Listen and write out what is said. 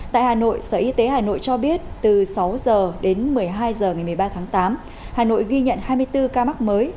tại hà nội sở y tế hà nội cho biết từ sáu h đến một mươi hai h ngày một mươi ba tháng tám hà nội ghi nhận hai mươi bốn ca mắc mới